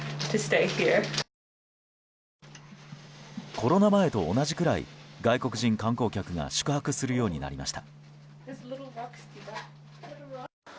コロナ前と同じくらい外国人観光客が宿泊するようになりました。